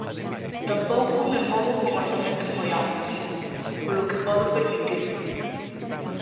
Tampouco me movo con orzamentos moi amplos, polo que podo permitirmo.